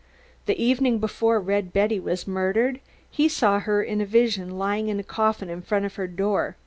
The evening before Red Betty was murdered he saw her in a vision lying in a coffin in front of her door.